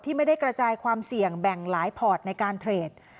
ไม่ได้กระจายความเสี่ยงแบ่งหลายพอร์ตในการเทรด